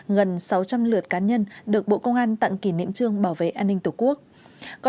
gần sáu trăm linh lượt cá nhân được bộ công an tặng kỷ niệm trương bảo vệ an ninh tổ quốc